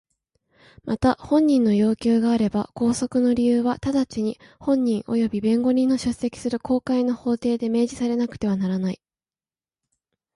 また本人の要求があれば拘束の理由は直ちに本人および弁護人の出席する公開の法廷で明示されなくてはならない。